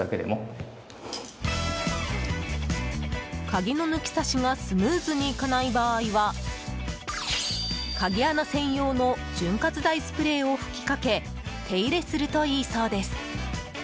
鍵の抜き挿しがスムーズにいかない場合は鍵穴専用の潤滑剤スプレーを吹きかけ手入れするといいそうです。